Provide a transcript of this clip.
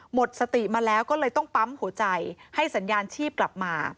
หมดสติมาแล้วก็เลยต้องปั๊มหัวใจให้สัญญาณชีพกลับมา